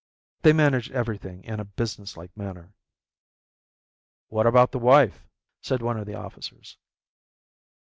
They managed everything in a businesslike manner. "What about the wife?" said one of the officers.